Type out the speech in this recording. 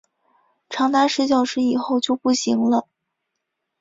长达十小时以后就不行了